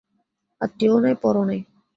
আত্মীয়ও নাই, পরও নাই।